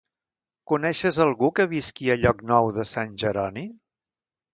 Coneixes algú que visqui a Llocnou de Sant Jeroni?